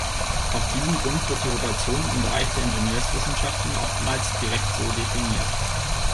Aus diesem Grund wird die Rotation im Bereich der Ingenieurwissenschaften oftmals direkt so definiert.